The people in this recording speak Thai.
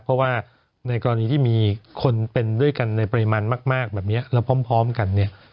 เพราะว่าในกรณีที่มีคนเป็นด้วยกันในปริมาณมากแบบนี้แล้วพร้อมกันเนี่ย